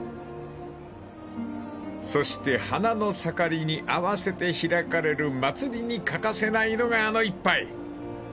［そして花の盛りに合わせて開かれる祭りに欠かせないのがあの一杯］